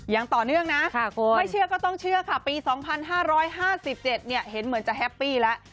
อย่างต่อเนื่องนะไม่เชื่อก็ต้องเชื่อค่ะปี๒๕๕๗เห็นเหมือนจะแฮปปี้แล้ว